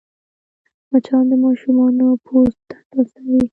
مچان د ماشومانو پوست حساسوې